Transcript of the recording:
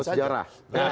saya jago sejarah